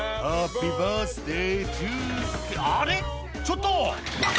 ちょっと」